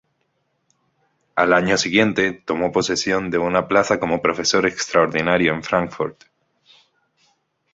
Al año siguiente, tomó posesión de una plaza como profesor extraordinario en Frankfurt.